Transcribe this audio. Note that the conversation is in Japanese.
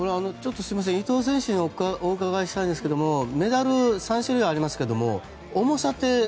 伊藤選手にお伺いしたいんですがメダル３種類ありますけど重さって。